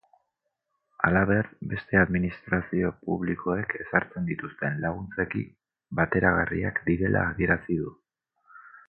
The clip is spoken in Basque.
Halaber, beste administrazio publikoek ezartzen dituzten laguntzekin bateragarriak direla adierazi du.